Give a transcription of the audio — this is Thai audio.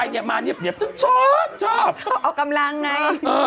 เขาเอากำลังไง